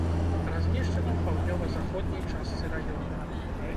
Размешчана ў паўднёва-заходняй частцы раёна.